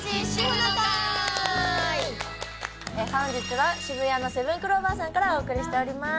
本日は渋谷のセブンクローバーさんからお送りしております。